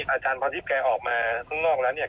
อาจารย์พรทิพย์แกออกมาข้างนอกแล้วเนี่ย